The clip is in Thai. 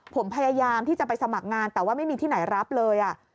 ผมพยายามที่จะไปสมัครงานแต่ว่าไม่มีที่ไหนรับเลย